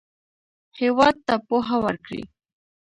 هېواد ته پوهه ورکړئ